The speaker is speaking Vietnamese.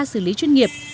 xử lý chuyên nghiệp